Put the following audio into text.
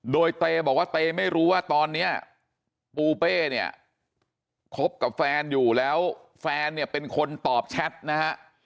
โดยเตบอกว่าเต้ไม่รู้ว่าตอนนี้ปูเป้เนี่ยคบกับแฟนอยู่แล้วแฟนเนี่ยเป็นคนตอบแชทนะฮะ